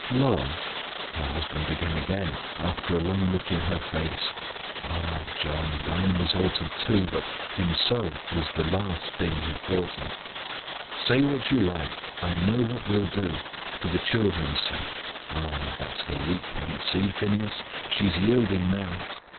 "Love," her husband began again, after a long look in her face ah, John, thine was altered too, but himself was the last thing he thought of "say what you like I know what we'll do: for the children's sake. Ah, that's her weak point; see, Phineas, she is yielding now.